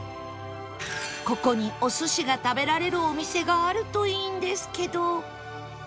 ここにお寿司が食べられるお店があるといいんですけど